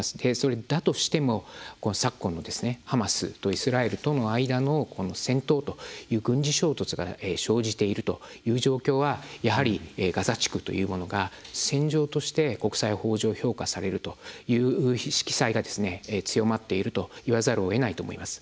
だとしても昨今のハマスとイスラエルとの間の戦闘という軍事衝突が生じているという状況はやはりガザ地区というものが戦場として国際法上評価されるという色彩が強まっているといわざるをえないと思います。